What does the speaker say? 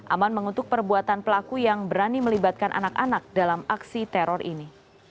aman mengutuk perbuatan pelaku yang berani melibatkan anak anak dalam aksi teror ini